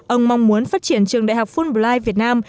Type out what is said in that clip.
ông mong muốn phát triển trường đại học fulblife việt nam